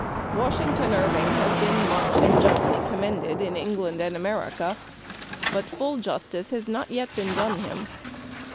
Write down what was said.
... "Washington Irving has been much and justly commended in England and America, but full justice has not yet been done him.